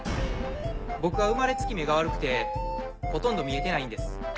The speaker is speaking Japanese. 僕は生まれつき目が悪くてほとんど見えてないんです。